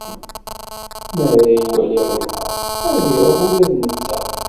Mi ara iwali ṛuḥeɣ, ad d-iṛuḥ ula d netta.